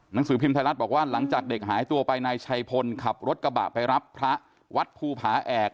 หนังสือพิมพ์ไทยรัฐบอกว่าหลังจากเด็กหายตัวไปนายชัยพลขับรถกระบะไปรับพระวัดภูผาแอก